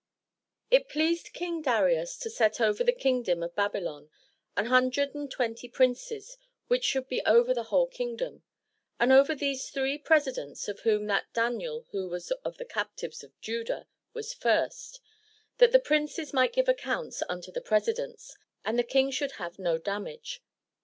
It pleased King Da ri'us to set over the kingdom of Bab'y lon an hundred and twenty princes which should be over the whole kingdom; and over these three presidents, of whom that Daniel who was of the captives of Judah, was first, that the princes might give accounts unto the presidents, and the king should have no damage.